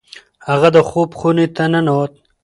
هغه د خوب خونې ته ننوت.